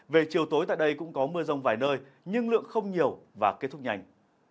về chiều tối tại đây cũng có mưa rông vài nơi nhưng lượng không nhiều và kết thúc nhanh